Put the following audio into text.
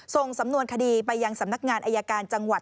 ส่งสำนวนคดีไปยังสำนักงานอายการจังหวัด